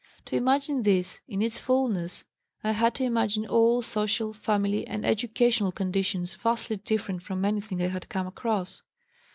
To imagine this in its fullness I had to imagine all social, family, and educational conditions vastly different from anything I had come across.